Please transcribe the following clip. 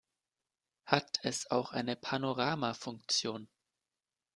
Hat es auch eine Panorama-Funktion?